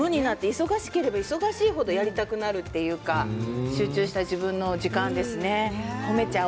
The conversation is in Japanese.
忙しければ忙しくなる程やりたくなるというか集中した自分の時間ですね。